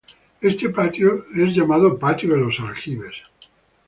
Este patio es llamado patio de los Aljibes.